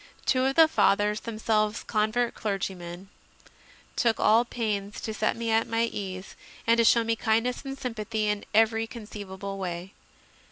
Two of the Fathers, themselves convert clergymen, took all pains to set me at my ease and to show me kindness and sympathy in every conceivable way.